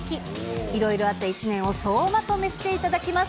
いろいろあった一年を総まとめしていただきます。